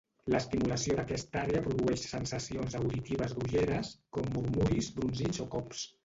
L'estimulació d'aquesta àrea produeix sensacions auditives grolleres, com murmuris, brunzits o cops.